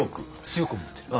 強く思ってる？